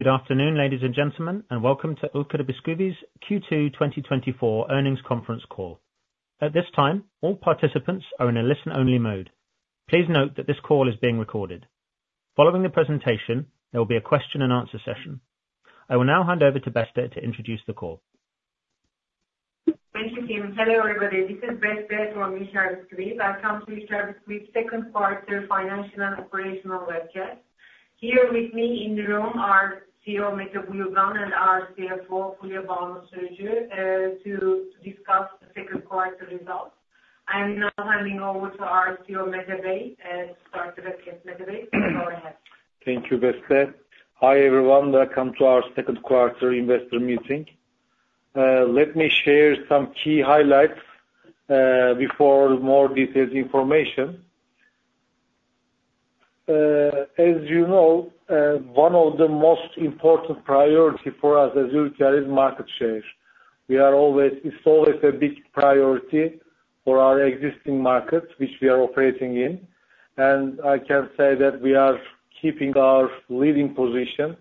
Good afternoon, ladies and gentlemen, and welcome to Ülker Bisküvi's Q2 2024 earnings conference call. At this time, all participants are in a listen-only mode. Please note that this call is being recorded. Following the presentation, there will be a question-and-answer session. I will now hand over to Beste to introduce the call. Thank you, Tim. Hello, everybody, this is Beste from Ülker Bisküvi. Welcome to Ülker Bisküvi second quarter financial and operational webinar. Here with me in the room are CEO Mete Buyurgan and our CFO Fulya Banu Sürücü to discuss the second quarter results. I'm now handing over to our CEO, Mete Buyurgan, to start the webinar, Mete Buyurgan, go ahead. Thank you, Beste. Hi, everyone. Welcome to our second quarter investor meeting. Let me share some key highlights, before more detailed information. As you know, one of the most important priority for us as Ülker is market share. It's always a big priority for our existing markets which we are operating in, and I can say that we are keeping our leading position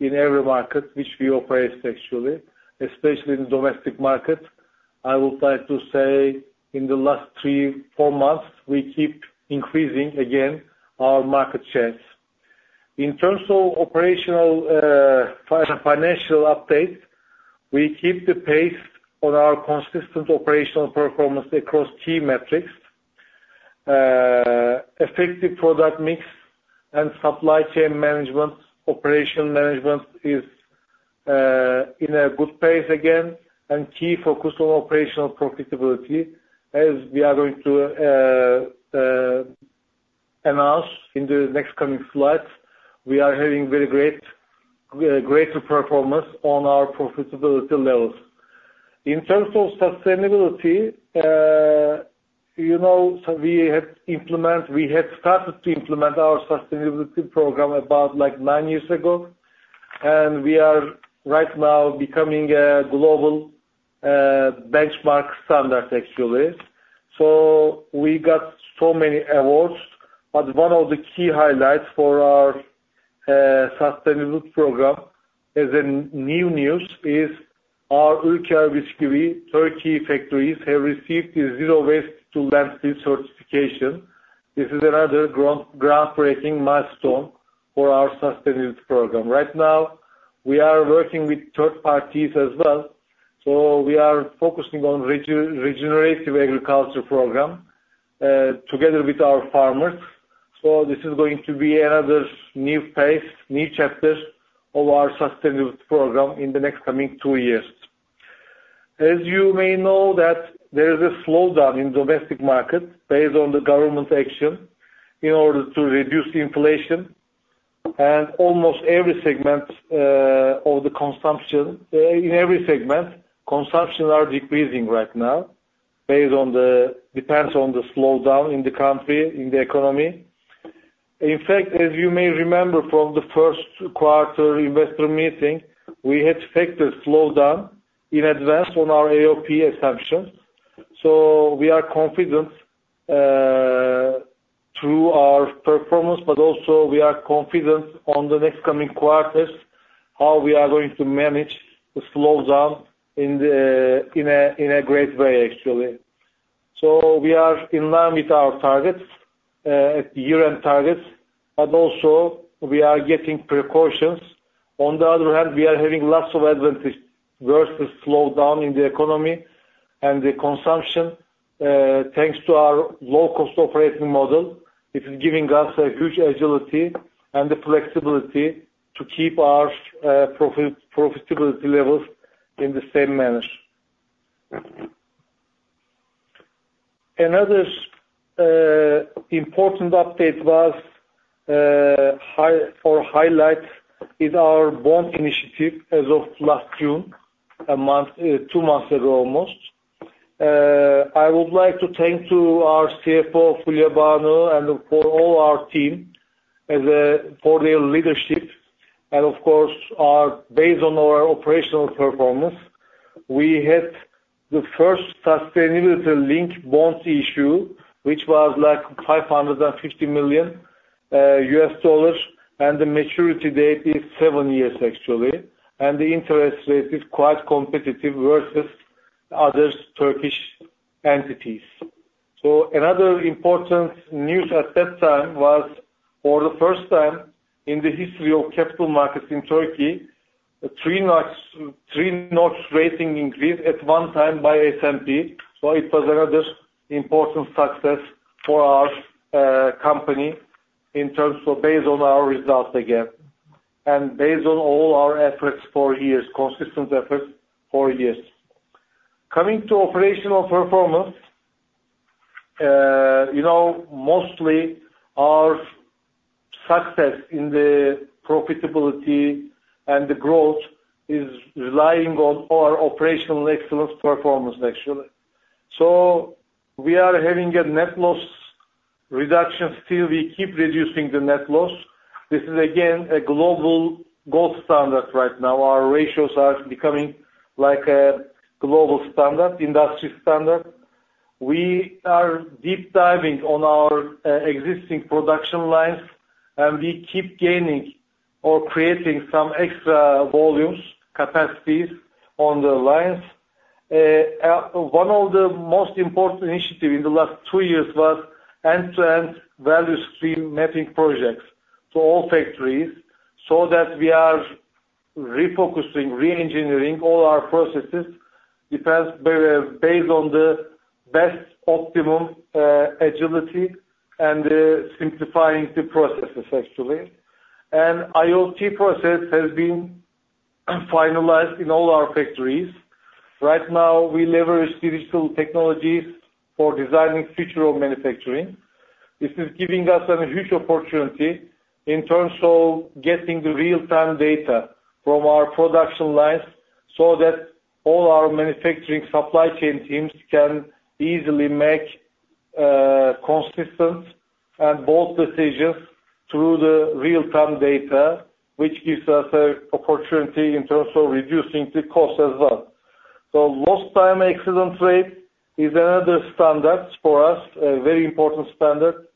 in every market which we operate, actually, especially in the domestic market. I would like to say in the last three, four months, we keep increasing again our market shares. In terms of operational, financial update, we keep the pace on our consistent operational performance across key metrics. Effective product mix and supply chain management, operational management is in a good place again, and key focus on operational profitability as we are going to announce in the next coming slides, we are having very great, greater performance on our profitability levels. In terms of sustainability, you know, so we had implement— We had started to implement our sustainability program about, like, nine years ago, and we are right now becoming a global benchmark standard, actually. So we got so many awards, but one of the key highlights for our sustainability program, as a new news, is our Ülker Bisküvi Turkey factories have received a zero waste to landfill certification. This is another groundbreaking milestone for our sustainability program. Right now, we are working with third parties as well, so we are focusing on regenerative agriculture program together with our farmers. So this is going to be another new phase, new chapter of our sustainability program in the next coming two years. As you may know that there is a slowdown in domestic market based on the government action in order to reduce inflation and almost every segment of the consumption in every segment, consumption are decreasing right now based on the depends on the slowdown in the country, in the economy. In fact, as you may remember from the first quarter investor meeting, we had expected slowdown in advance on our AOP assumptions. So we are confident through our performance, but also we are confident on the next coming quarters, how we are going to manage the slowdown in a great way, actually. So we are in line with our targets, year-end targets, but also we are getting precautions. On the other hand, we are having lots of advantage versus slowdown in the economy and the consumption, thanks to our low-cost operating model. It is giving us a huge agility and the flexibility to keep our profitability levels in the same manners. Another important update, or highlight, is our bond initiative as of last June, almost two months ago. I would like to thank to our CFO, Fulya Banu, and all our team for their leadership. Of course, based on our operational performance, we had the first sustainability-linked bonds issue, which was, like, $550 million, and the maturity date is 7 years, actually, and the interest rate is quite competitive versus other Turkish entities. Another important news at that time was, for the first time in the history of capital markets in Turkey, a three-notch, three-notch rating increase at one time by S&P. So, it was another important success for our company in terms of, based on our results again, and based on all our efforts for years, consistent efforts for years. Coming to operational performance, you know, mostly our success in the profitability and the growth is relying on our operational excellence performance, actually. So, we are having a net loss reduction. Still, we keep reducing the net loss. This is again a global gold standard right now. Our ratios are becoming like a global standard, industry standard. We are deep diving on our existing production lines, and we keep gaining or creating some extra volumes, capacities on the lines. One of the most important initiative in the last two years was end-to-end value stream mapping projects to all factories, so that we are refocusing, reengineering all our processes, depends very based on the best optimum agility and simplifying the processes, actually. And IoT process has been finalized in all our factories. Right now, we leverage digital technologies for designing future of manufacturing. This is giving us a huge opportunity in terms of getting the real-time data from our production lines, so that all our manufacturing supply chain teams can easily make consistent and bold decisions through the real-time data, which gives us an opportunity in terms of reducing the cost as well. So lost time accident rate is another standard for us, a very important standard.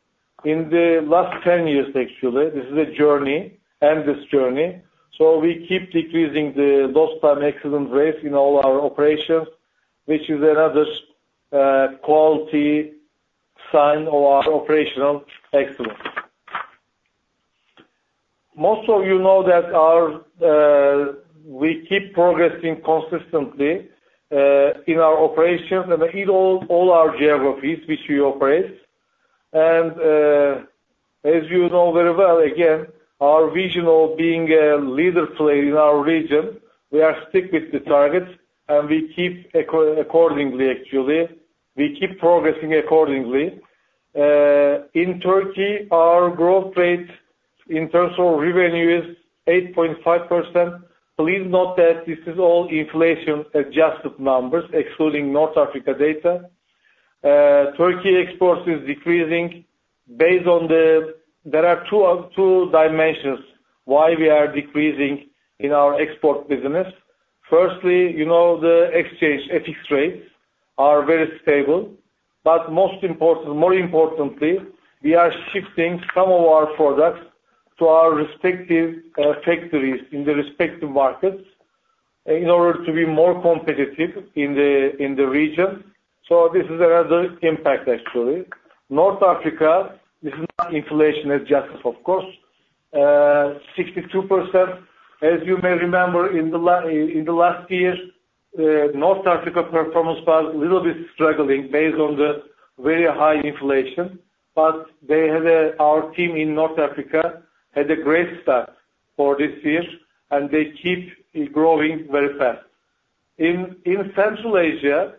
In the last 10 years, actually, this is a journey, and this journey, so we keep decreasing the lost time accident rate in all our operations, which is another quality sign of our operational excellence. Most of you know that our we keep progressing consistently in our operations and in all, all our geographies which we operate. As you know very well, again, our vision of being a leader player in our region, we are stick with the targets, and we keep progressing accordingly. Actually, in Turkey, our growth rate in terms of revenue is 8.5%. Please note that this is all inflation-adjusted numbers, excluding North Africa data. Turkey exports is decreasing based on the... There are two dimensions why we are decreasing in our export business. Firstly, you know, the exchange FX rates are very stable, but more importantly, we are shifting some of our products to our respective factories in the respective markets, in order to be more competitive in the region. So this is another impact, actually. North Africa, this is not inflation-adjusted, of course. 62%, as you may remember, in the last years, North Africa performance was a little bit struggling based on the very high inflation, but our team in North Africa had a great start for this year, and they keep growing very fast. In Central Asia,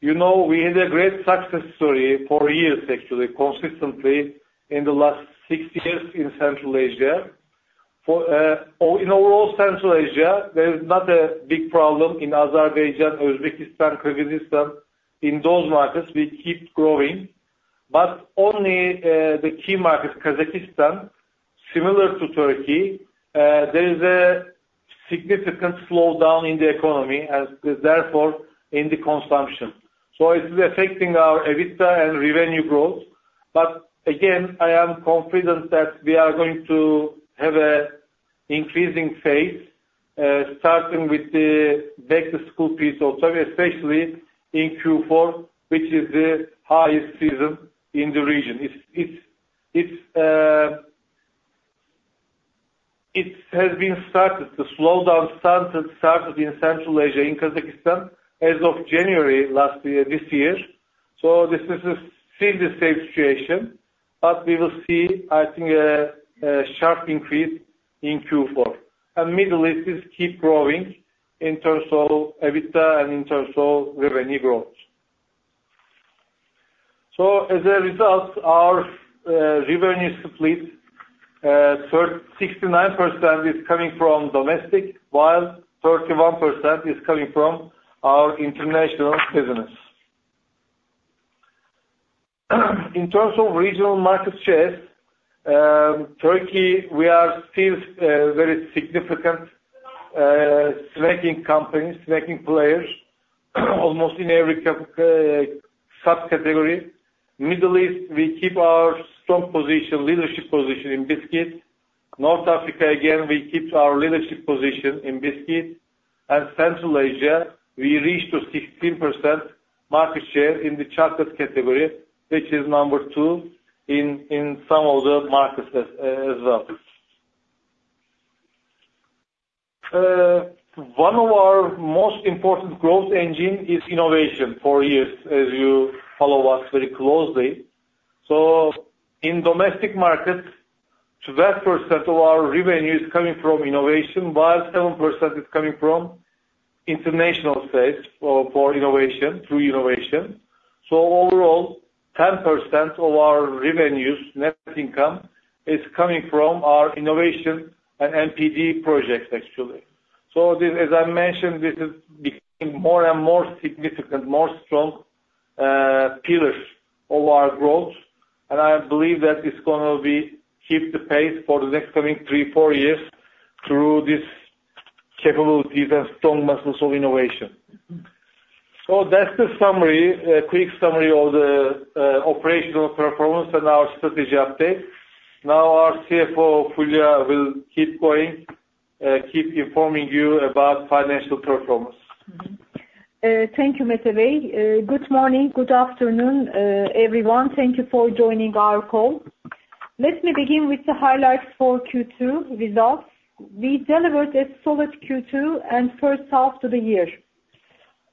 you know, we had a great success story for years, actually, consistently in the last six years in Central Asia. In overall Central Asia, there is not a big problem in Azerbaijan, Uzbekistan, Kyrgyzstan. In those markets, we keep growing, but only the key market, Kazakhstan, similar to Turkey, there is a significant slowdown in the economy, and therefore, in the consumption. So it is affecting our EBITDA and revenue growth. But again, I am confident that we are going to have a increasing phase starting with the back-to-school piece of time, especially in Q4, which is the highest season in the region. The slowdown started in Central Asia, in Kazakhstan, as of January last year, this year. So this is still the same situation, but we will see, I think, a sharp increase in Q4. And Middle East is keep growing in terms of EBITDA and in terms of revenue growth. So as a result, our revenue split, 69% is coming from domestic, while 31% is coming from our international business. In terms of regional market share, Turkey, we are still very significant snacking company, snacking players, almost in every subcategory. Middle East, we keep our strong position, leadership position in biscuits. North Africa, again, we keep our leadership position in biscuits. And Central Asia, we reach to 16% market share in the chocolate category, which is number two in some of the markets as well. One of our most important growth engine is innovation for years, as you follow us very closely. So in domestic markets, 12% of our revenue is coming from innovation, while 7% is coming from international sales for innovation, through innovation. So overall, 10% of our revenues, net income, is coming from our innovation and NPD projects, actually. So this, as I mentioned, this is becoming more and more significant, more strong pillars of our growth. And I believe that it's gonna be keep the pace for the next coming three, four years through this-... capabilities and strong muscles of innovation. So that's the summary, quick summary of the operational performance and our strategy update. Now, our CFO, Fulya, will keep going, keep informing you about financial performance. Mm-hmm. Thank you, Mete Buyurgan. Good morning, good afternoon, everyone. Thank you for joining our call. Let me begin with the highlights for Q2 results. We delivered a solid Q2 and first half of the year.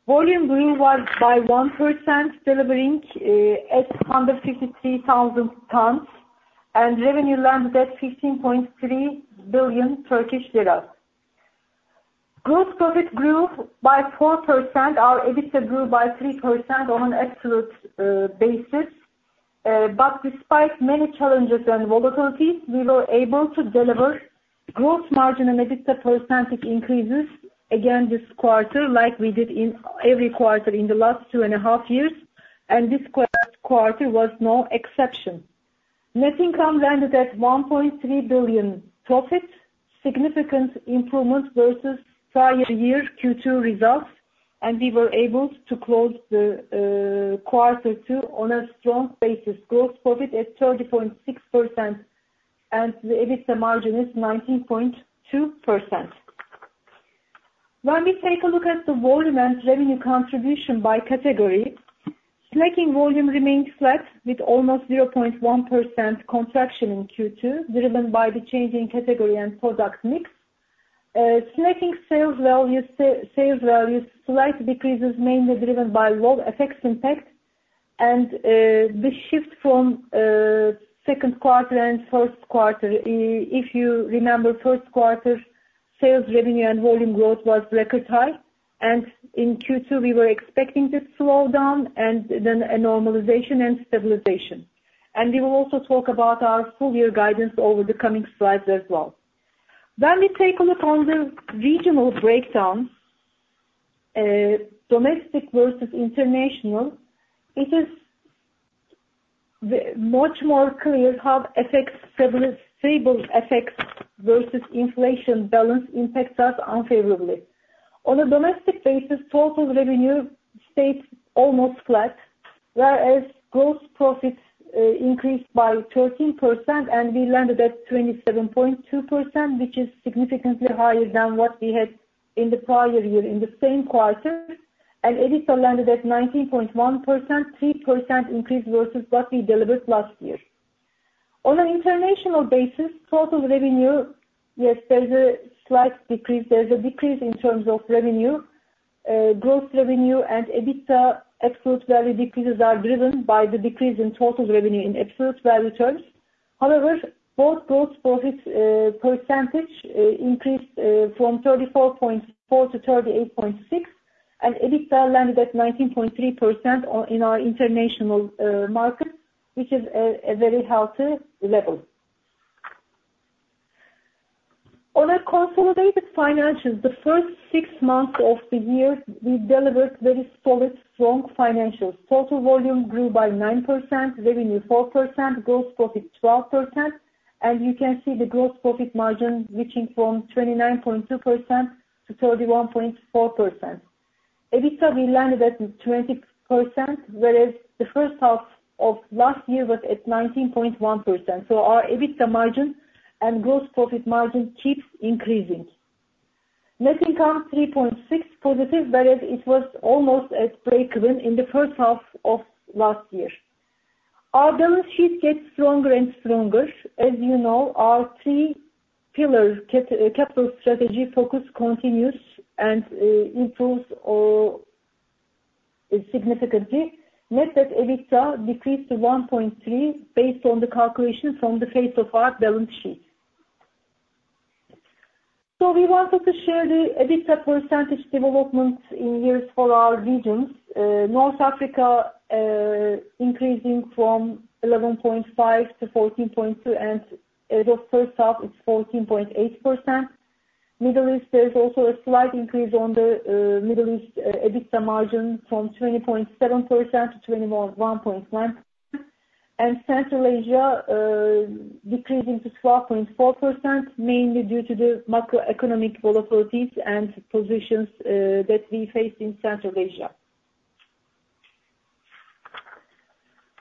Volume grew by 1%, delivering at 153,000 tons, and revenue landed at 15.3 billion Turkish lira. Gross profit grew by 4%. Our EBITDA grew by 3% on an absolute basis. But despite many challenges and volatility, we were able to deliver gross margin and EBITDA percentage increases again this quarter, like we did in every quarter in the last two and a half years, and this quarter was no exception. Net income landed at 1.3 billion profit, significant improvement versus prior year Q2 results, and we were able to close the quarter two on a strong basis. Gross profit at 30.6%, and the EBITDA margin is 19.2%. When we take a look at the volume and revenue contribution by category, snacking volume remained flat with almost 0.1% contraction in Q2, driven by the changing category and product mix. Snacking sales value, sales value, slight decreases, mainly driven by low effects impact. The shift from second quarter and first quarter, if you remember, first quarter, sales revenue and volume growth was record high, and in Q2, we were expecting to slow down and then a normalization and stabilization. We will also talk about our full year guidance over the coming slides as well. When we take a look on the regional breakdown, domestic versus international, it is, much more clear how effects, several stable effects versus inflation balance impacts us unfavorably. On a domestic basis, total revenue stayed almost flat, whereas gross profits, increased by 13%, and we landed at 27.2%, which is significantly higher than what we had in the prior year, in the same quarter. EBITDA landed at 19.1%, 3% increase versus what we delivered last year. On an international basis, total revenue, yes, there's a slight decrease. There's a decrease in terms of revenue. Gross revenue and EBITDA absolute value decreases are driven by the decrease in total revenue in absolute value terms. However, both gross profit percentage increased from 34.4-38.6, and EBITDA landed at 19.3% on, in our international markets, which is a very healthy level. On our consolidated financials, the first six months of the year, we delivered very solid, strong financials. Total volume grew by 9%, revenue 4%, gross profit 12%, and you can see the gross profit margin reaching from 29.2%-31.4%. EBITDA, we landed at 20%, whereas the first half of last year was at 19.1%, so our EBITDA margin and gross profit margin keeps increasing. Net income, +3.6 positive, whereas it was almost at breakeven in the first half of last year. Our balance sheet gets stronger and stronger. As you know, our three pillar capital strategy focus continues and improves significantly. Net debt EBITDA decreased to 1.3 based on the calculation from the face of our balance sheet. We wanted to share the EBITDA percentage development in years for our regions. North Africa, increasing from 11.5-14.2, and the first half is 14.8%. Middle East, there is also a slight increase on the Middle East EBITDA margin from 20.7%-21.9%. Central Asia, decreasing to 12.4%, mainly due to the macroeconomic volatilities and positions that we face in Central Asia.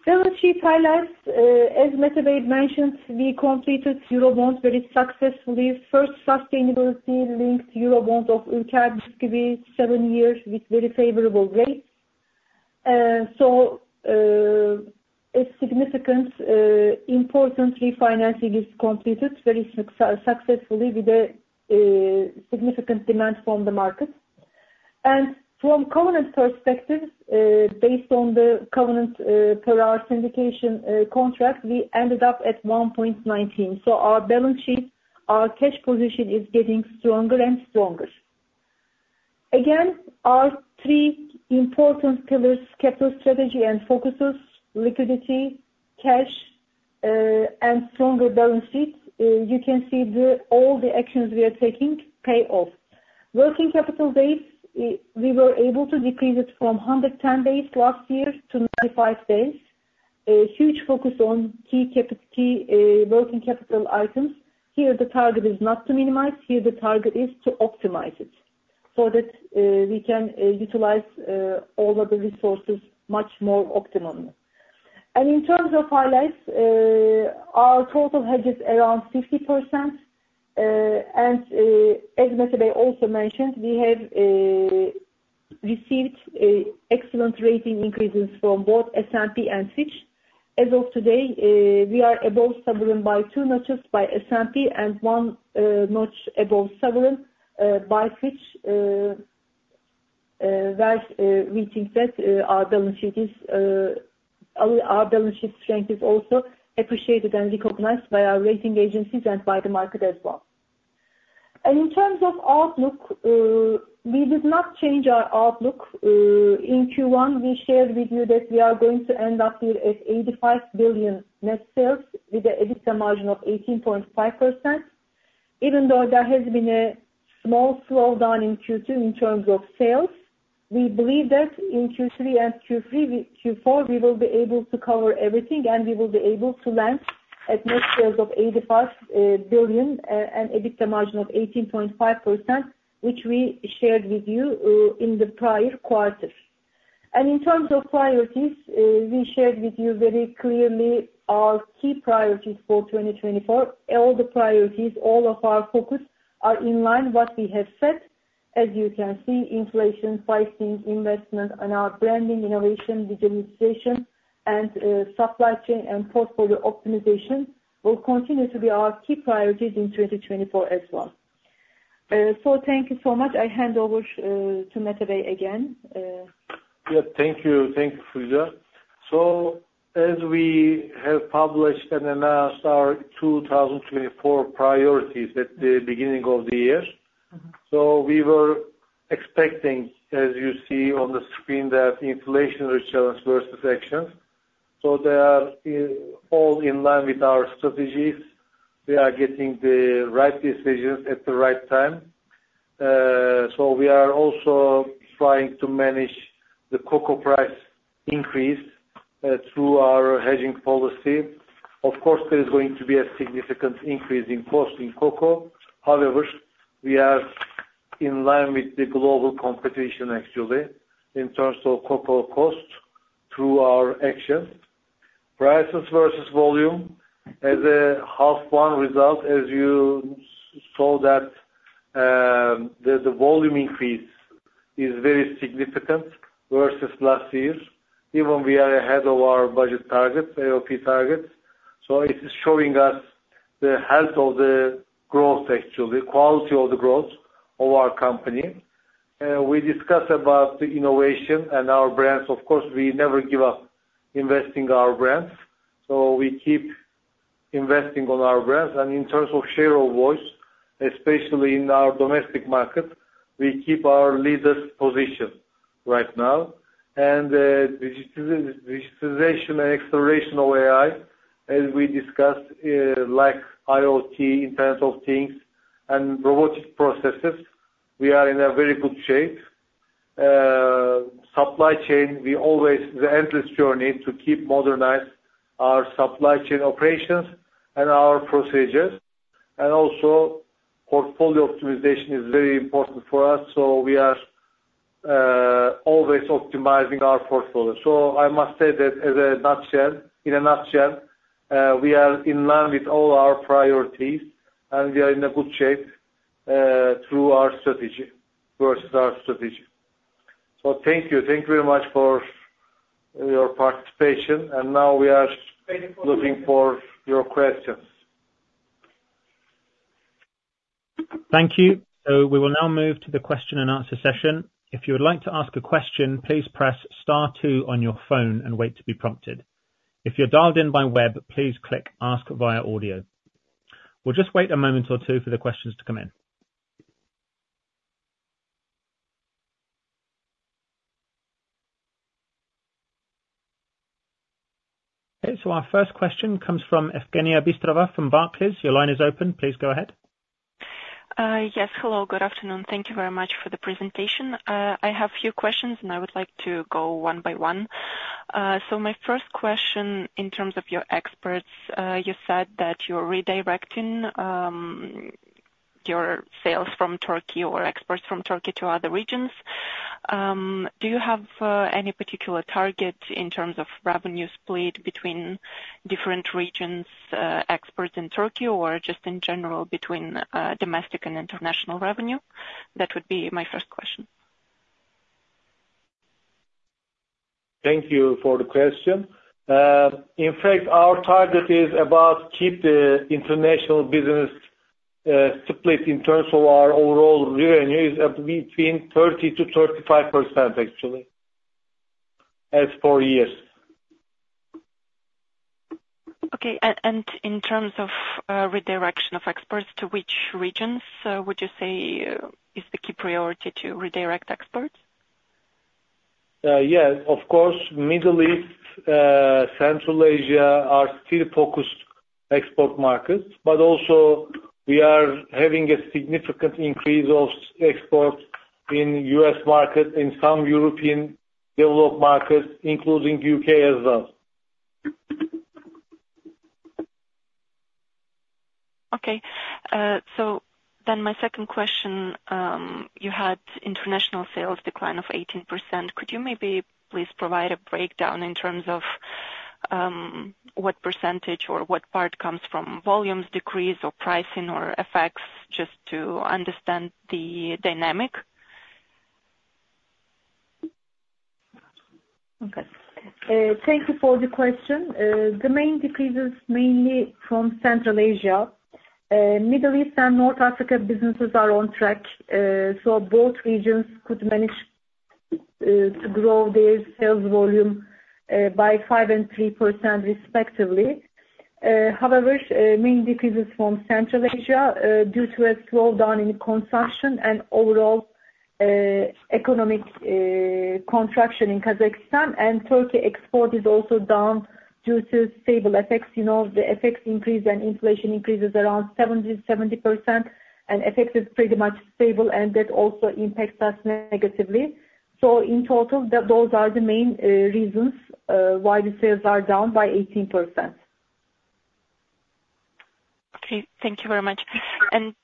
Balance sheet highlights. As Mete Buyurgan mentioned, we completed Eurobond very successfully. First sustainability linked Eurobond of Ülker Bisküvi, seven years with very favorable rates. So, a significant important refinancing is completed very successfully with a significant demand from the market. And from covenant perspective, based on the covenant, per our syndication contract, we ended up at 1.19. So our balance sheet, our cash position is getting stronger and stronger. Again, our three important pillars, capital strategy and focuses, liquidity, cash, and stronger balance sheet, you can see the all the actions we are taking pay off. Working capital days, we were able to decrease it from 110 days last year to 95 days. A huge focus on key working capital items. Here, the target is not to minimize, here the target is to optimize it, so that we can utilize all of the resources much more optimally. In terms of highlights, our total hedge is around 50%. As Mete also mentioned, we have received excellent rating increases from both S&P and Fitch. As of today, we are above sovereign by two-notches by S&P and one-notch above sovereign by Fitch. We think that our balance sheet strength is also appreciated and recognized by our rating agencies and by the market as well. In terms of outlook, we did not change our outlook. In Q1, we shared with you that we are going to end up here at 85 billion net sales, with an EBITDA margin of 18.5%. Even though there has been a small slowdown in Q2 in terms of sales, we believe that in Q3 and Q4, we will be able to cover everything, and we will be able to land at net sales of 85 billion and EBITDA margin of 18.5%, which we shared with you in the prior quarter. In terms of priorities, we shared with you very clearly our key priorities for 2024. All the priorities, all of our focus, are in line what we have said. As you can see, inflation, pricing, investment, and our branding, innovation, digitalization, and supply chain and portfolio optimization will continue to be our key priorities in 2024 as well. So thank you so much. I hand over to Mete again. Yeah, thank you. Thank you, Fulya. So as we have published and announced our 2024 priorities at the beginning of the year- Mm-hmm. So we were expecting, as you see on the screen, that inflationary challenges versus actions, so they are in, all in line with our strategies. We are getting the right decisions at the right time. So we are also trying to manage the cocoa price increase through our hedging policy. Of course, there is going to be a significant increase in cost in cocoa. However, we are in line with the global competition actually, in terms of cocoa cost through our actions. Prices versus volume, as a half one result, as you saw that, the volume increase is very significant versus last year. Even we are ahead of our budget targets, AOP targets, so it is showing us the health of the growth, actually, the quality of the growth of our company. We discussed about the innovation and our brands. Of course, we never give up investing our brands, so we keep investing on our brands. And in terms of share of voice, especially in our domestic market, we keep our leader's position right now. And, digitization and exploration of AI, as we discussed, like IoT, Internet of Things, and robotic processes, we are in a very good shape. Supply chain, we always, the endless journey to keep modernize our supply chain operations and our procedures. And also portfolio optimization is very important for us, so we are, always optimizing our portfolio. So I must say that as a nutshell, in a nutshell, we are in line with all our priorities, and we are in a good shape, through our strategy, versus our strategy. So thank you. Thank you very much for your participation, and now we are looking for your questions. Thank you. We will now move to the question and answer session. If you would like to ask a question, please press star two on your phone and wait to be prompted. If you're dialed in by web, please click Ask via Audio. We'll just wait a moment or two for the questions to come in. Okay, our first question comes from Evgenia Bystrova from Barclays. Your line is open, please go ahead. Yes, hello, good afternoon. Thank you very much for the presentation. I have a few questions, and I would like to go one by one. So my first question, in terms of your exports, you said that you're redirecting your sales from Turkey or exports from Turkey to other regions. Do you have any particular target in terms of revenue split between different regions, exports in Turkey, or just in general between domestic and international revenue? That would be my first question. Thank you for the question. In fact, our target is about keep the international business, split in terms of our overall revenue, is up between 30%-35%, actually, as for years. Okay, and in terms of redirection of exports, to which regions would you say is the key priority to redirect exports? Yes, of course. Middle East, Central Asia are still focused export markets, but also we are having a significant increase of exports in U.S. market, in some European developed markets, including U.K. as well. Okay. So then my second question, you had international sales decline of 18%. Could you maybe please provide a breakdown in terms of, what percentage or what part comes from volumes decrease or pricing or effects, just to understand the dynamic? Okay. Thank you for the question. The main decrease is mainly from Central Asia. Middle East and North Africa businesses are on track. So both regions could manage to grow their sales volume by 5% and 3% respectively. However, main decrease is from Central Asia due to a slowdown in consumption and overall economic contraction in Kazakhstan, and Turkey export is also down due to stable effects. You know, the effects increase and inflation increases around 77%, and effect is pretty much stable, and that also impacts us negatively. So in total, those are the main reasons why the sales are down by 18%. Okay, thank you very much. And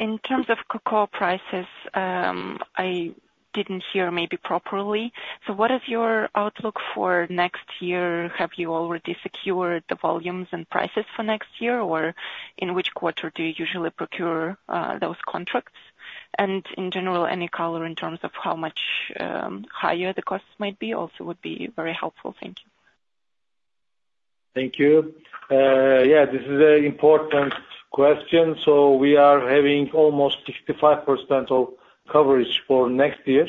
in terms of cocoa prices, I didn't hear maybe properly. So what is your outlook for next year? Have you already secured the volumes and prices for next year, or in which quarter do you usually procure those contracts? And in general, any color in terms of how much higher the costs might be also would be very helpful. Thank you. Thank you. Yeah, this is an important question. So we are having almost 65% of coverage for next year.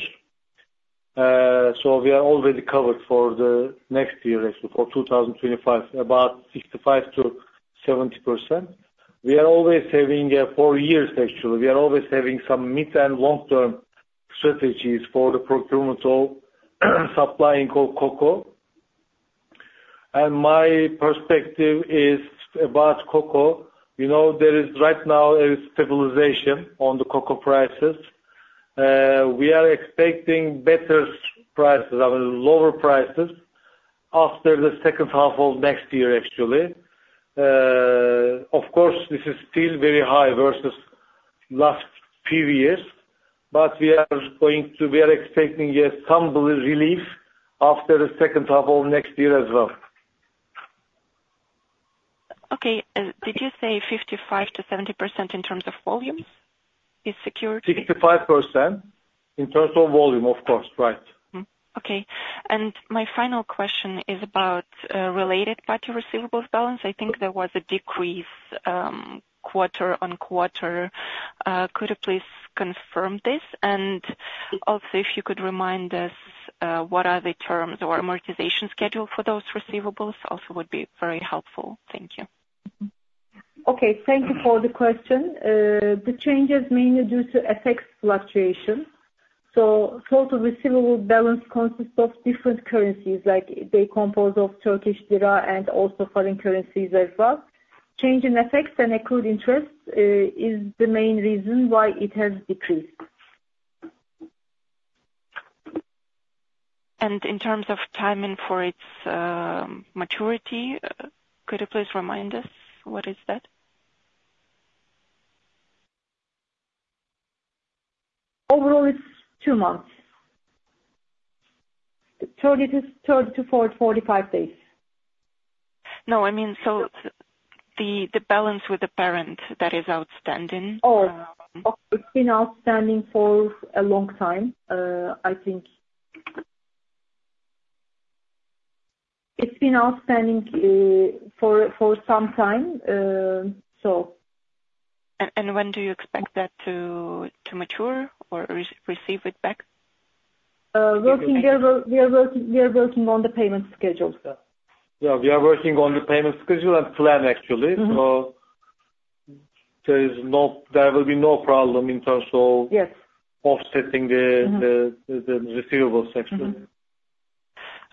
So we are already covered for the next year, actually, for 2025, about 65%-70%. We are always having four years actually. We are always having some mid and long-term strategies for the procurement of supplying of cocoa. And my perspective is about cocoa, you know, there is right now a stabilization on the cocoa prices. We are expecting better prices, I mean, lower prices, after the second half of next year, actually. Of course, this is still very high versus last previous, but we are expecting, yes, some relief after the second half of next year as well. Okay. And did you say 55%-70% in terms of volumes is secured? 65% in terms of volume, of course, right. Mm. Okay. And my final question is about related party receivables balance. I think there was a decrease quarter on quarter. Could you please confirm this? And also, if you could remind us what are the terms or amortization schedule for those receivables also would be very helpful. Thank you. Okay, thank you for the question. The change is mainly due to FX fluctuations. So total receivable balance consists of different currencies, like they compose of Turkish lira and also foreign currencies as well. Change in FX and accrued interest is the main reason why it has decreased. In terms of timing for its maturity, could you please remind us what is that? Overall, it's two months. 30-45 days. No, I mean, so the balance with the parent that is outstanding, Oh, it's been outstanding for a long time. I think it's been outstanding for some time, so. When do you expect that to mature or receive it back? We are working on the payment schedule, sir. Yeah, we are working on the payment schedule and plan, actually. Mm-hmm. So there is no, there will be no problem in terms of- Yes... offsetting the receivables section. Mm-hmm.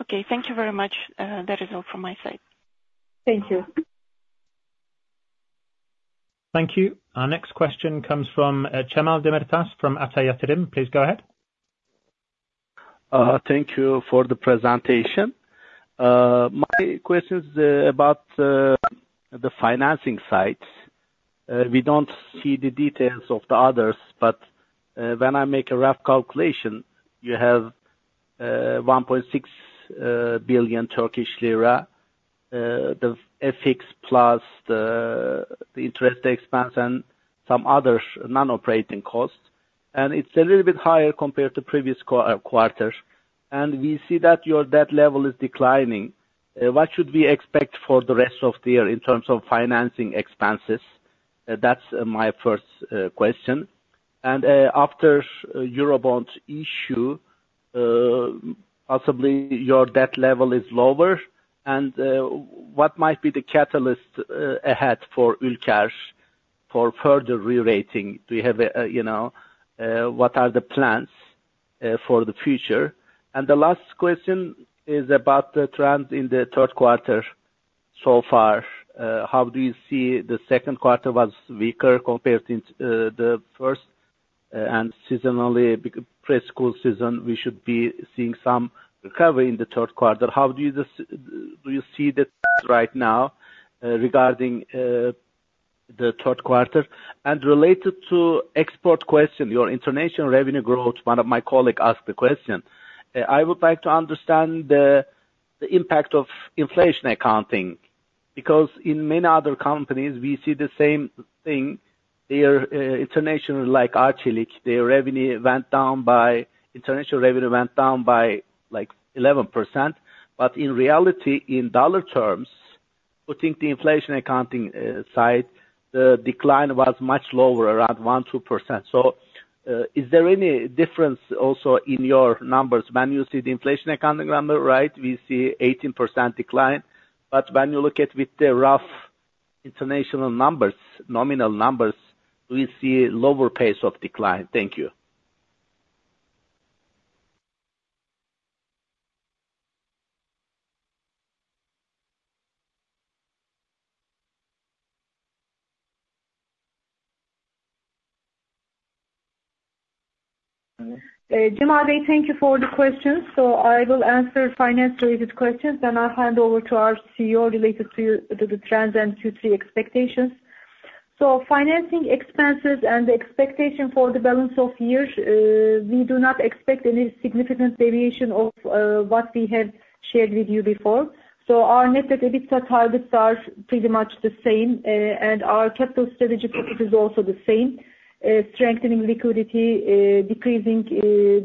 Okay, thank you very much. That is all from my side. Thank you. Thank you. Our next question comes from Cemal Demirtaş from Ata Invest. Please go ahead. Thank you for the presentation. My question is about the financing side. We don't see the details of the others, but when I make a rough calculation, you have 1.6 billion Turkish lira, the FX plus the interest expense and some other non-operating costs, and it's a little bit higher compared to previous quarters. We see that your debt level is declining. What should we expect for the rest of the year in terms of financing expenses? That's my first question. After Eurobond issue, possibly your debt level is lower, and what might be the catalyst ahead for Ülker's for further rerating, do you have, you know, what are the plans for the future? The last question is about the trend in the third quarter so far. How do you see the second quarter was weaker compared to the first, and seasonally, back-to-school season, we should be seeing some recovery in the third quarter. How do you just do you see that right now regarding the third quarter? Related to export question, your international revenue growth, one of my colleagues asked the question. I would like to understand the impact of inflation accounting, because in many other companies we see the same thing. Their international, like Arçelik, their revenue went down by, international revenue went down by, like, 11%. But in reality, in dollar terms, putting the inflation accounting aside, the decline was much lower, around 1%-2%. So, is there any difference also in your numbers? When you see the inflation accounting number, right, we see 18% decline, but when you look at with the rough international numbers, nominal numbers, we see lower pace of decline. Thank you. Cemal, thank you for the questions. So I will answer finance-related questions, then I'll hand over to our CEO related to, to the trends and Q3 expectations. So financing expenses and the expectation for the balance of years, we do not expect any significant variation of, what we have shared with you before. So our net debt EBITDA targets are pretty much the same, and our capital strategy target is also the same. Strengthening liquidity, decreasing,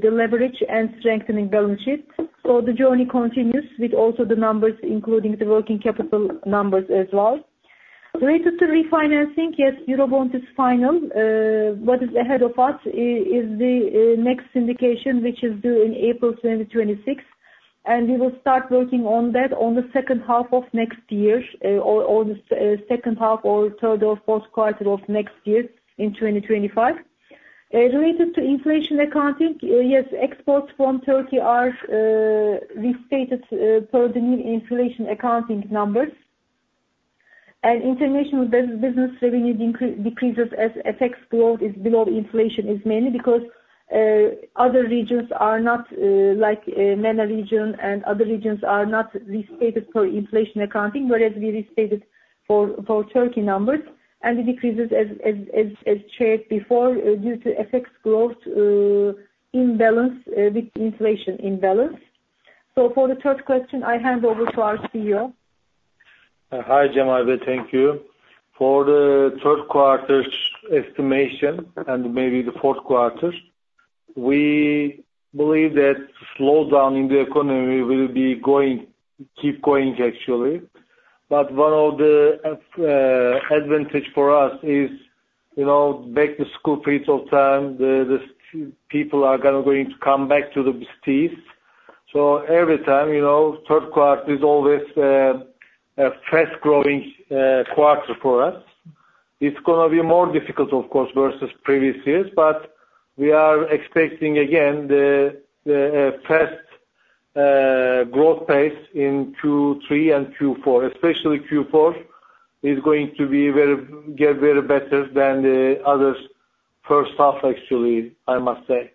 the leverage and strengthening balance sheet. So the journey continues with also the numbers, including the working capital numbers as well. Related to refinancing, yes, Eurobond is final. What is ahead of us is the next indication, which is due in April 2026, and we will start working on that in the second half of next year, or the second half or third or fourth quarter of next year, in 2025. Related to inflation accounting, yes, exports from Turkey are restated per the new inflation accounting numbers. And international business revenue decreases as FX growth is below the inflation is mainly because other regions are not, like, MENA region and other regions are not restated per inflation accounting, whereas we restated for Turkey numbers. And the decreases, as shared before, due to FX growth imbalance with inflation imbalance. So for the third question, I hand over to our CEO. Hi, Cemal, thank you. For the third quarter's estimation, and maybe the fourth quarter, we believe that slowdown in the economy will be going, keep going, actually. But one of the advantage for us is, you know, back to school period of time, people are gonna going to come back to the cities. So every time, you know, third quarter is always a fast growing quarter for us. It's gonna be more difficult, of course, versus previous years, but we are expecting, again, the fast growth pace in Q3 and Q4, especially Q4 is going to be very get very better than the others first half, actually, I must say.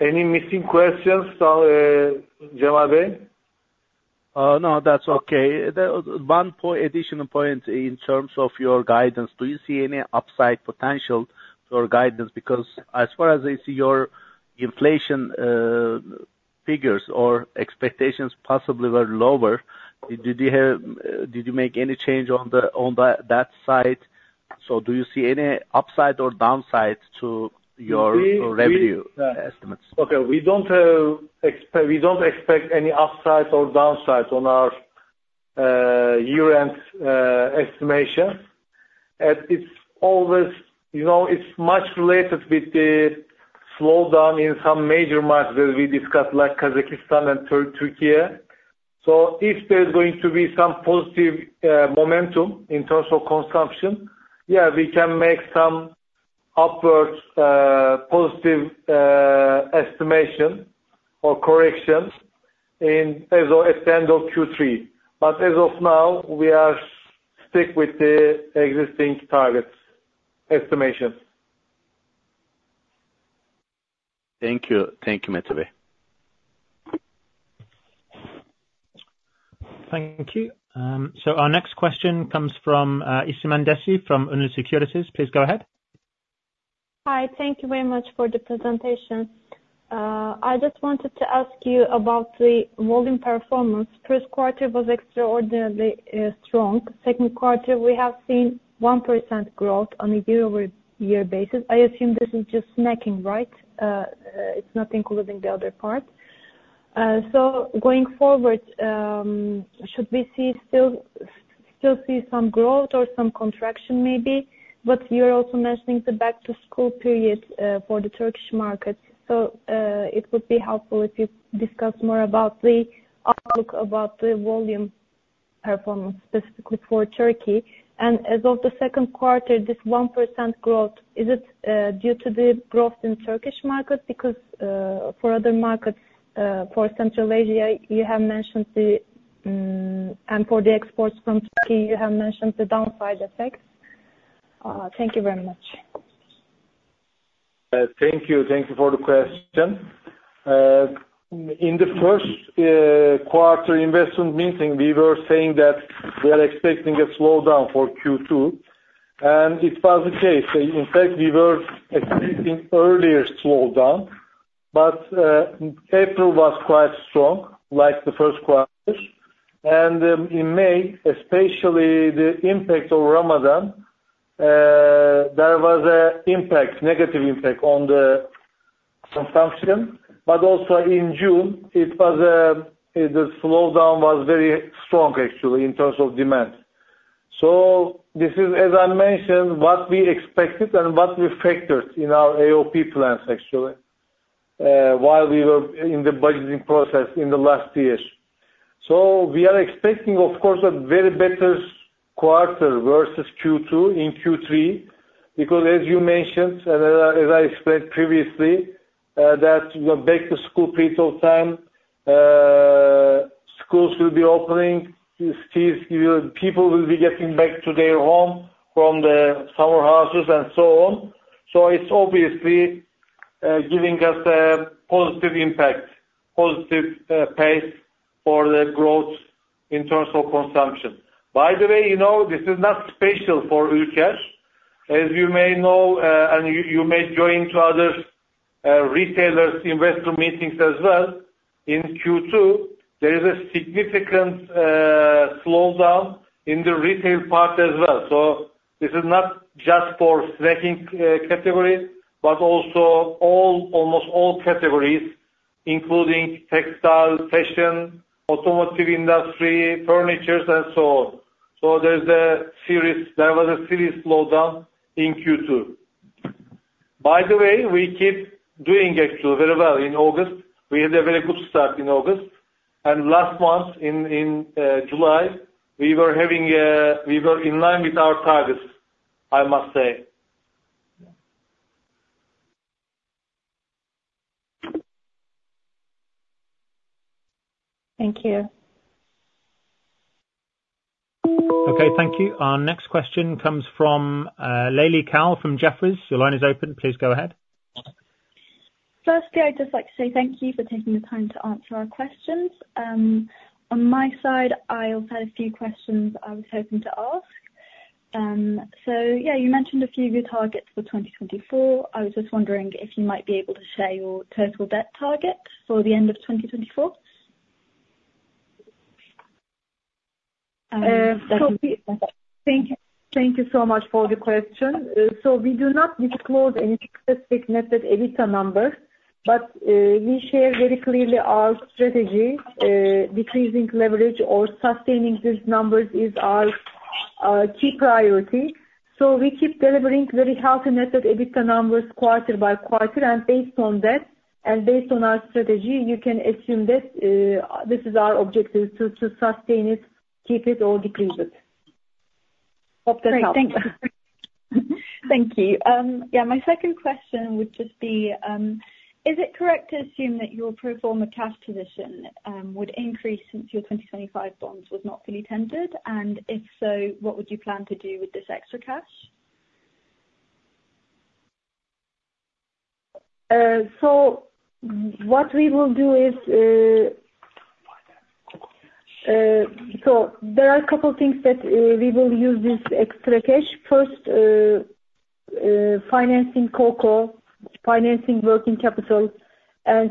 Any missing questions, Cemal? No, that's okay. One point, additional point in terms of your guidance, do you see any upside potential to your guidance? Because as far as I see, your inflation figures or expectations possibly were lower. Did you have, did you make any change on the that side? So do you see any upside or downside to your- We, we- -revenue estimates? Okay, we don't expect any upside or downside on our year-end estimation. And it's always, you know, it's much related with the slowdown in some major markets that we discussed, like Kazakhstan and Türkiye. So if there's going to be some positive momentum in terms of consumption, yeah, we can make some upwards positive estimation or corrections in as of at the end of Q3. But as of now, we are stick with the existing targets estimation. Thank you. Thank you, Mete. Thank you. Our next question comes from Ece Mandacı from Ünlü & Co. Please go ahead. Hi, thank you very much for the presentation. I just wanted to ask you about the volume performance. First quarter was extraordinarily strong. Second quarter, we have seen 1% growth on a year-over-year basis. I assume this is just snacking, right? It's not including the other part. So going forward, should we still see some growth or some contraction maybe? But you're also mentioning the back-to-school period for the Turkish market. So, it would be helpful if you discuss more about the outlook about the volume performance specifically for Turkey. And as of the second quarter, this 1% growth, is it due to the growth in Turkish market? Because, for other markets, for Central Asia, you have mentioned the, and for the exports from Turkey, you have mentioned the downside effect. Thank you very much. Thank you. Thank you for the question. In the first quarter investment meeting, we were saying that we are expecting a slowdown for Q2, and it was the case. So in fact, we were expecting earlier slowdown, but April was quite strong, like the first quarter. In May, especially the impact of Ramadan, there was a impact, negative impact on the consumption, but also in June, it was the slowdown was very strong actually, in terms of demand. So this is, as I mentioned, what we expected and what we factored in our AOP plans actually, while we were in the budgeting process in the last years. So we are expecting, of course, a very better quarter versus Q2 in Q3, because as you mentioned, and as I, as I explained previously, that the back-to-school period of time, schools will be opening, these kids, people will be getting back to their home from the summer houses and so on. So, it's obviously giving us a positive impact, positive pace for the growth in terms of consumption. By the way, you know, this is not special for Ülker. As you may know, and you, you may join to other retailers' investor meetings as well, in Q2, there is a significant slowdown in the retail part as well. So, this is not just for snacking category, but also all, almost all categories, including textile, fashion, automotive industry, furniture, and so on. So there was a serious slowdown in Q2. By the way, we keep doing actually very well in August. We had a very good start in August, and last month, in July, we were in line with our targets, I must say. Thank you. Okay, thank you. Our next question comes from, Leyli Cowell from Jefferies. Your line is open, please go ahead. Firstly, I'd just like to say thank you for taking the time to answer our questions. On my side, I also had a few questions I was hoping to ask. So yeah, you mentioned a few of your targets for 2024. I was just wondering if you might be able to share your total debt target for the end of 2024? So we- Thank you. Thank you so much for the question. So we do not disclose any specific method, EBITDA numbers, but, we share very clearly our strategy, decreasing leverage or sustaining these numbers is our, key priority. So we keep delivering very healthy method, EBITDA numbers, quarter by quarter. And based on that, and based on our strategy, you can assume that, this is our objective, to, to sustain it, keep it or decrease it. Hope that helps. Great. Thank you. Thank you. Yeah, my second question would just be, is it correct to assume that your pro forma cash position would increase since your 2025 bonds was not fully tendered? And if so, what would you plan to do with this extra cash? What we will do is, there are a couple things that we will use this extra cash. First, financing cocoa, financing working capital, and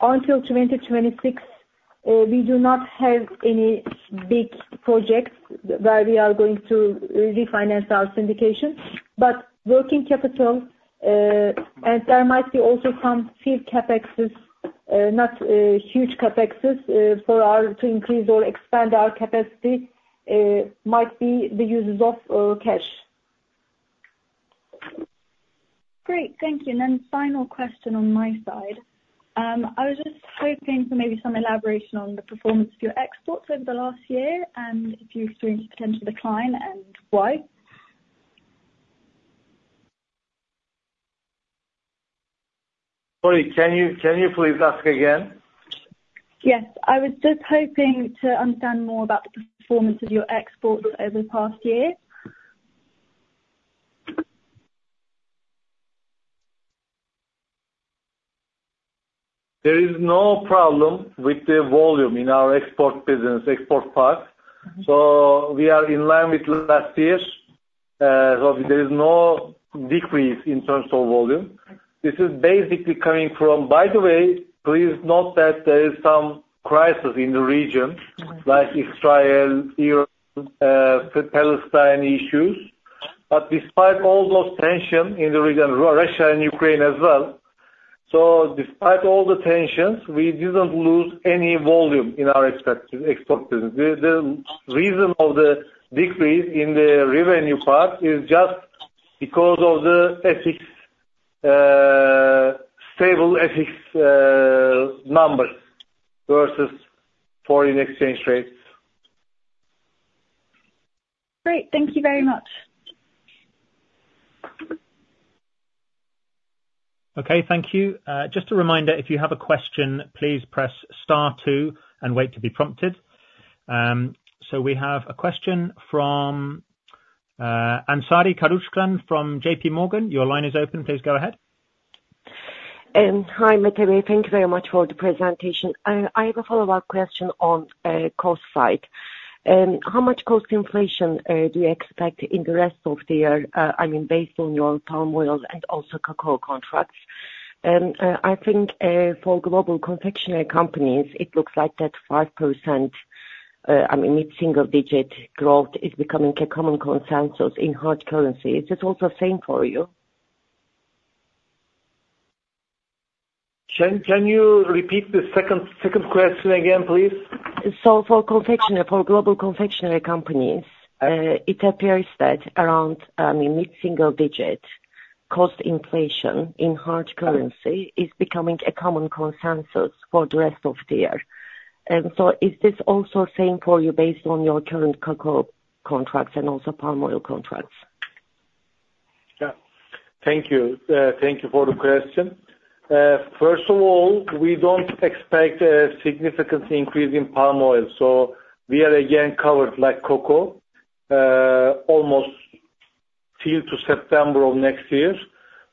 until 2026, we do not have any big projects where we are going to refinance our syndication. But working capital, and there might be also some few CapExes, not huge CapExes, for our to increase or expand our capacity, might be the uses of cash. Great, thank you. Then final question on my side. I was just hoping for maybe some elaboration on the performance of your exports over the last year, and if you've experienced potential decline and why? Sorry, can you, can you please ask again? Yes. I was just hoping to understand more about the performance of your exports over the past year. There is no problem with the volume in our export business, export part, so we are in line with last year. So there is no decrease in terms of volume. This is basically coming from... By the way, please note that there is some crisis in the region- Mm-hmm. like Israel, Europe, Palestine issues. But despite all those tension in the region, Russia and Ukraine as well, so despite all the tensions, we didn't lose any volume in our export business. The, the reason of the decrease in the revenue part is just because of the FX is stable as its numbers versus foreign exchange rates. Great, thank you very much. Okay, thank you. Just a reminder, if you have a question, please press star two and wait to be prompted. We have a question from Hanzade Kılıçkıran from J.P. Morgan. Your line is open, please go ahead. Hi, Metin. Thank you very much for the presentation. I have a follow-up question on cost side. How much cost inflation do you expect in the rest of the year, I mean, based on your palm oil and also cocoa contracts? And, I think, for global confectionery companies, it looks like that 5%, I mean, mid-single digit growth is becoming a common consensus in hard currency. Is it also same for you? Can you repeat the second question again, please? So for confectionery, for global confectionery companies, it appears that around mid-single digit cost inflation in hard currency is becoming a common consensus for the rest of the year. So is this also same for you based on your current cocoa contracts and also palm oil contracts? Yeah. Thank you. Thank you for the question. First of all, we don't expect a significant increase in palm oil, so we are again covered, like cocoa, almost till September of next year.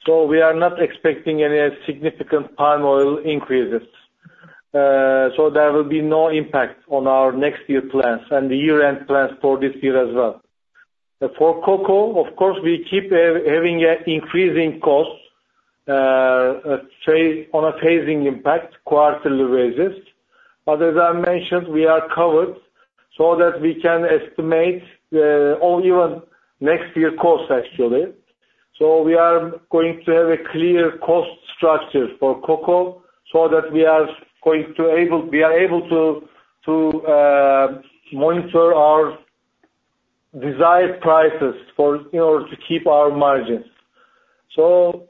So we are not expecting any significant palm oil increases. So there will be no impact on our next year plans and the year-end plans for this year as well. For cocoa, of course, we keep having an increasing cost phase on a phasing impact quarterly basis. But as I mentioned, we are covered so that we can estimate or even next year costs, actually. So we are going to have a clear cost structure for cocoa so that we are going to be able to monitor our desired prices in order to keep our margins. So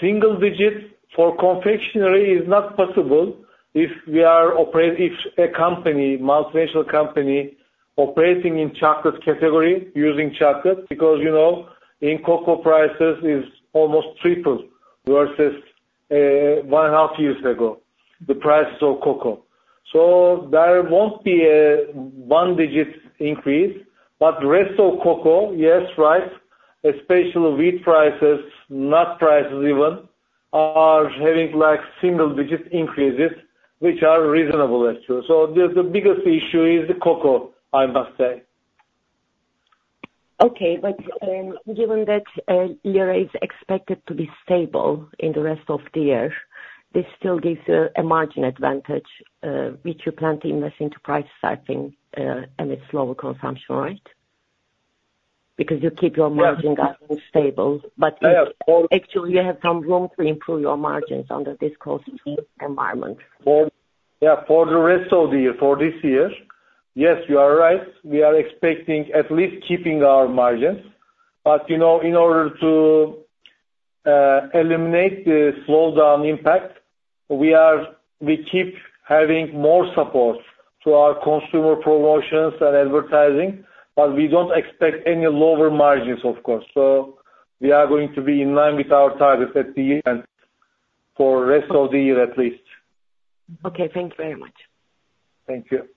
single digit for confectionery is not possible if we are—if a company, multinational company, operating in chocolate category using chocolate, because, you know, in cocoa prices is almost triple versus one and a half years ago, the prices of cocoa. So there won't be a one digit increase, but rest of cocoa, yes, right, especially wheat prices, nut prices even, are having, like, single digit increases, which are reasonable actually. So the, the biggest issue is the cocoa, I must say. Okay. But, given that, lira is expected to be stable in the rest of the year, this still gives a margin advantage, which you plan to invest into price hiking, amidst lower consumption, right? Because you keep your margin- Yes... stable. Yes, for- But actually, you have some room to improve your margins under this cost environment. Yeah, for the rest of the year, for this year, yes, you are right. We are expecting at least keeping our margins. But, you know, in order to eliminate the slowdown impact, we keep having more supports to our consumer promotions and advertising, but we don't expect any lower margins, of course. So we are going to be in line with our targets at the end, for rest of the year, at least. Okay, thank you very much. Thank you.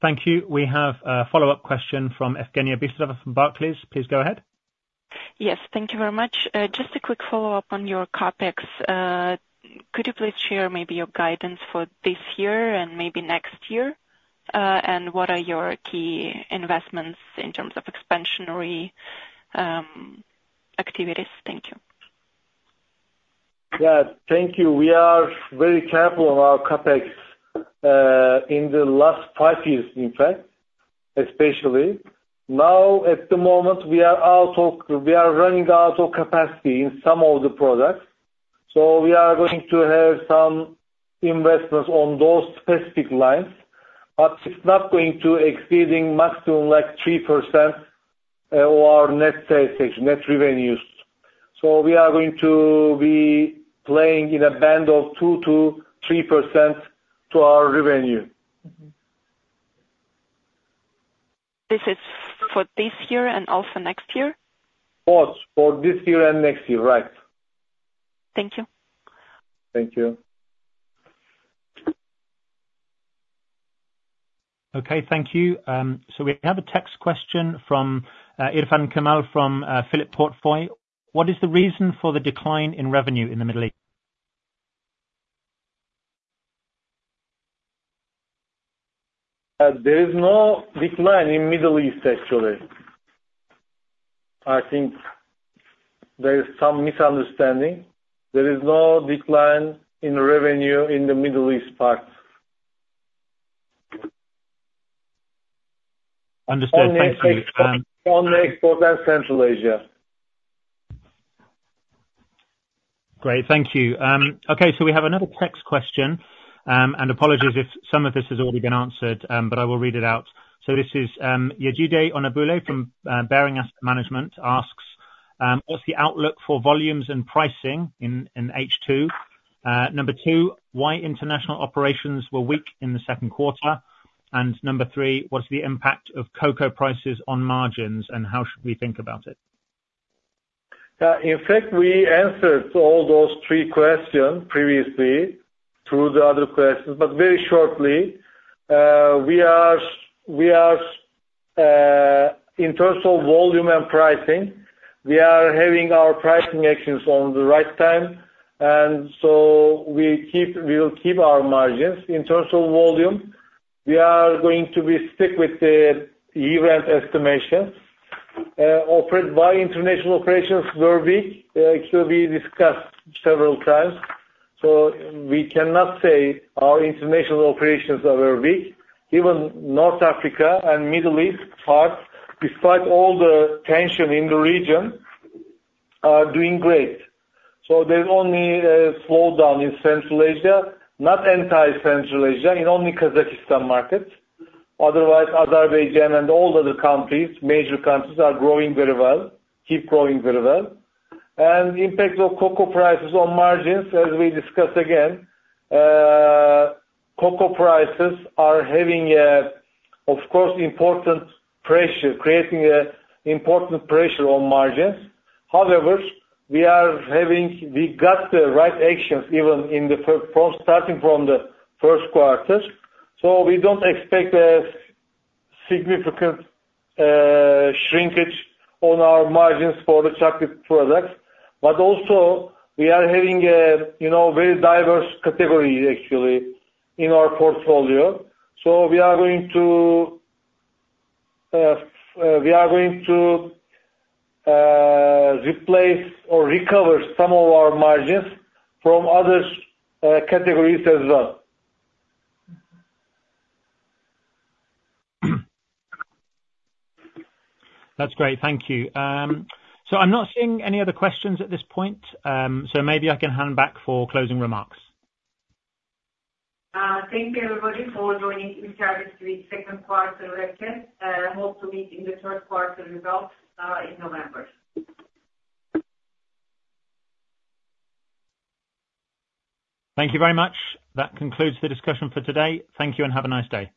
Thank you. We have a follow-up question from Evgenia Bystrova from Barclays. Please go ahead. Yes, thank you very much. Just a quick follow-up on your CapEx. Could you please share maybe your guidance for this year and maybe next year? What are your key investments in terms of expansionary activities? Thank you. Yeah, thank you. We are very careful on our CapEx in the last five years, in fact, especially. Now, at the moment, we are out of... We are running out of capacity in some of the products, so we are going to have some investments on those specific lines, but it's not going to exceeding maximum like 3% of our net sales, net revenues. So we are going to be playing in a band of 2%-3% to our revenue. Mm-hmm. This is for this year and also next year? Both. For this year and next year, right. Thank you. Thank you. Okay, thank you. We have a text question from Irfan Kamal from Phillip Capital: What is the reason for the decline in revenue in the Middle East? There is no decline in Middle East, actually. I think there is some misunderstanding. There is no decline in revenue in the Middle East part. Understood. Thank you. Only export and Central Asia.... Great, thank you. Okay, so we have another text question, and apologies if some of this has already been answered, but I will read it out. So this is, Yewande Onabulo from, Barings, asks, what's the outlook for volumes and pricing in H2? Number two, why international operations were weak in the second quarter? And number three, what's the impact of cocoa prices on margins, and how should we think about it? In fact, we answered all those three questions previously through the other questions, but very shortly, we are, in terms of volume and pricing, we are having our pricing actions on the right time, and so we will keep our margins. In terms of volume, we are going to be strict with the year-end estimations. As for why international operations were weak, it will be discussed several times, so we cannot say our international operations are very weak. Even North Africa and Middle East parts, despite all the tension in the region, are doing great. So there's only a slowdown in Central Asia, not entire Central Asia, in only Kazakhstan markets. Otherwise, Azerbaijan and all other countries, major countries, are growing very well, keep growing very well. Impact of cocoa prices on margins, as we discussed again, cocoa prices are having, of course, important pressure, creating an important pressure on margins. However, we have got the right actions, even from, starting from the first quarters, so we don't expect a significant shrinkage on our margins for the chocolate products. But also, we have a, you know, very diverse category, actually, in our portfolio. So we are going to replace or recover some of our margins from other categories as well. That's great, thank you. I'm not seeing any other questions at this point, so maybe I can hand back for closing remarks. Thank you, everybody, for joining in Ülker's second quarter lecture. Hope to meet in the third quarter results, in November. Thank you very much. That concludes the discussion for today. Thank you, and have a nice day.